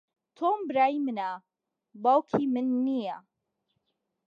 تۆم برای منە، باوکی من نییە.